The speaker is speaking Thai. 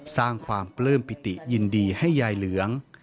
สร้างความปลื้มปิติยินดีให้ยายเหลือง